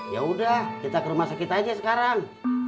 ya udah kita ke rumah sakit aja sekarang